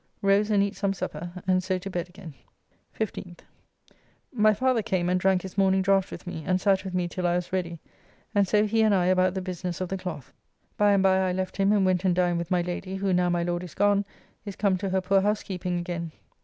Rose and eat some supper, and so to bed again. 15th. My father came and drank his morning draft with me, and sat with me till I was ready, and so he and I about the business of the cloth. By and by I left him and went and dined with my Lady, who, now my Lord is gone, is come to her poor housekeeping again.